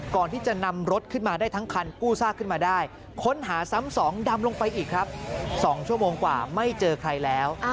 ก่อนที่จะนำรถขึ้นมาได้ทั้งคันกู้ซากขึ้นมาได้ค้นหาซ้ำสองดำลงไปอีกครับ๒ชั่วโมงกว่าไม่เจอใครแล้ว